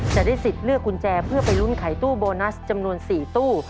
จะได้สิทธิ์เลือกกุญแจเพื่อไปลุ้นไขตู้โบนัสจำนวน๔ตู้